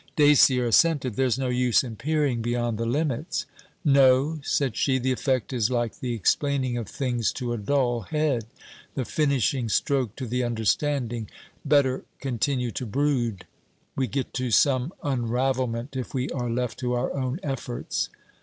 Dacier assented: 'There's no use in peering beyond the limits.' 'No,' said she; 'the effect is like the explaining of things to a dull head the finishing stroke to the understanding! Better continue to brood. We get to some unravelment if we are left to our own efforts.